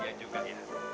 ya juga ya